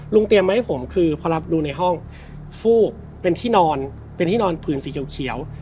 เตรียมมาให้ผมคือพอรับดูในห้องฟูกเป็นที่นอนเป็นที่นอนผืนสีเขียว